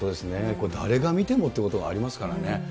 これ、誰が見てもということがありますからね。